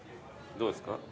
どうですか？